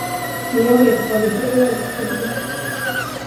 Men jag vet var vi får öl på kredit!